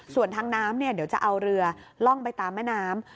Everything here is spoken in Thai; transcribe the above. ส่วนทางน้ำเดี๋ยวจะเอาเรือล่องไปตามแม่น้ำ